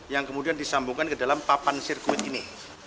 yang kemudian disambungkan ke dalam papan sirkuit ini